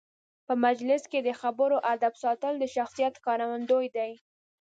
په مجلس کې د خبرو آدب ساتل د شخصیت ښکارندوی دی.